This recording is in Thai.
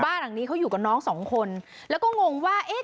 บ้านหลังนี้เขาอยู่กับน้องสองคนแล้วก็งงว่าเอ๊ะ